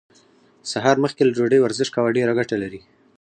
سهار مخکې له ډوډۍ ورزش کول ډيره ګټه لري.